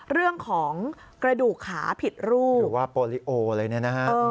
เรื่องของกระดูกขาผิดรูปหรือว่าโปรลิโออะไรเนี่ยนะฮะ